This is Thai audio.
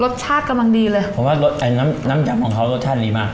รสชาติกำลังดีเลยผมว่าน้ำน้ำน้ำจำของเขารสชาติดีมาก